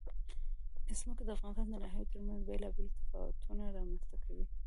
ځمکه د افغانستان د ناحیو ترمنځ بېلابېل تفاوتونه رامنځ ته کوي.